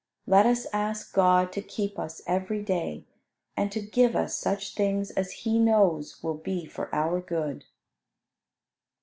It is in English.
Let us ask God to keep us every day; and to give us such things as He knows will be for our good.